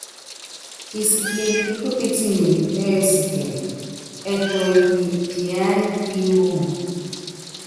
Kisikɛl ki kupítimɛn mɛ́ɛsikɛn ɛkuɛm nyɛ piany pi mbuŋɛ.